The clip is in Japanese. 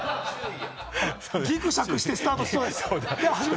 ギクシャクしてスタートしそうです。